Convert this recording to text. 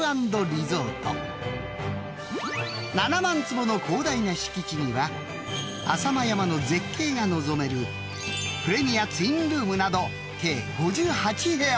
［７万坪の広大な敷地には浅間山の絶景が望めるプレミアツインルームなど］